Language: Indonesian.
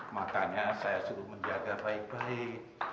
makanya saya suruh menjaga baik baik